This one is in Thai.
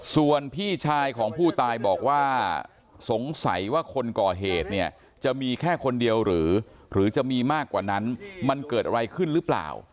ส่วนพี่ชายของผู้ตายบอกว่าสงสัยว่าคนก่อเหตุเนี่ยจะมีแค่คนเดียวหรือจะมีมากกว่านั้นมันเกิดอะไรขึ้นหรือเปล่า